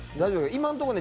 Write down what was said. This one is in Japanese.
今のところね